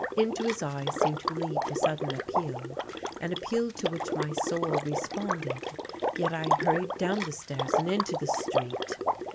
Into his eyes seemed to leap a sudden appeal, an appeal to which my soul responded yet I hurried down the stairs and into the street.